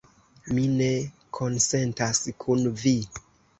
Mi ne konsentas kun vi.